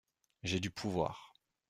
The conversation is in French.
J’ai du pouvoir.